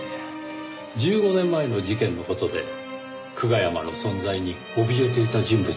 １５年前の事件の事で久我山の存在におびえていた人物が。